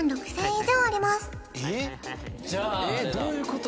えっどういうこと？